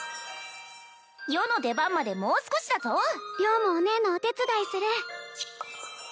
余の出番までもう少しだぞ良もお姉のお手伝いする